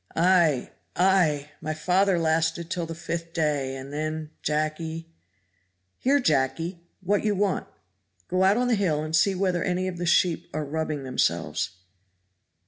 "Ay! Ay! My father lasted till the fifth day, and then Jacky!" "Here Jacky! what you want?" "Go out on the hill and see whether any of the sheep are rubbing themselves."